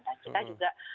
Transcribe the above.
dan kita juga